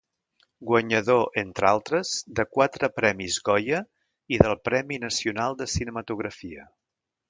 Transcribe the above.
Guanyador, entre altres, de quatre premis Goya i del Premi Nacional de Cinematografia.